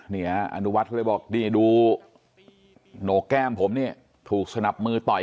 เนี่ยอันดุวัชค์เลยบอกดูโหน่ะแก้มผมนี่ถูกสนับมือต่อย